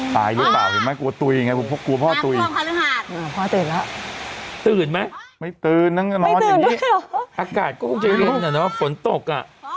ตื่นไหมไม่ตื่นนั่งนอนอย่างนี้อากาศก็คงจะเลี้ยงแต่ว่าฝนตก